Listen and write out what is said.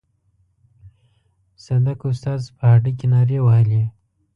صدک استاد په هډه کې نارې وهلې.